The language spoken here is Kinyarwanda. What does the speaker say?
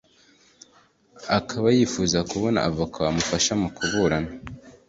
akaba yifuza kubona avoka wamufasha mu kuburana